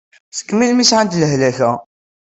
Seg melmi i sɛant lehlak-a?